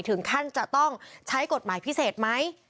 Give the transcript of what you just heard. ถึงขั้นจะต้องใช้กฎหมายพิเศษไหม